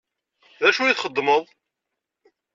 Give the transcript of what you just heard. D acu i txeddmeḍ?